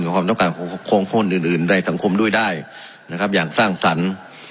ความต้องการของคนอื่นอื่นในสังคมด้วยได้นะครับอย่างสร้างสรรค์